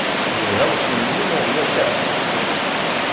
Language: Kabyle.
Yelha usmel-nni neɣ ulac akk?